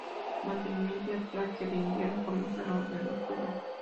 El mantenimiento y atraque de invierno comenzaron en octubre.